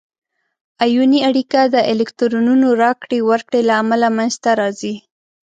آیوني اړیکه د الکترونونو راکړې ورکړې له امله منځ ته راځي.